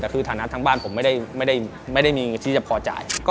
แต่ทางนะทางบ้านผมไม่ได้ไม่ได้มีเงือนที่จะพอจ่าย